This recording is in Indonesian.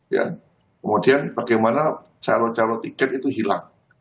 ya kemudian bagaimana calon calon tiket itu hilang